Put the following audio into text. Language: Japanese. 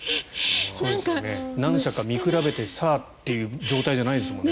何社か見比べてさあという状態じゃないですもんね。